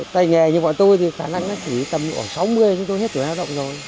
tay nghề như bọn tôi thì khả năng nó chỉ tầm ở sáu mươi chúng tôi hết tuổi lao động rồi